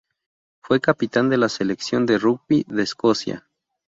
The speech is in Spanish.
Fue capitán de la selección de rugby de Escocia.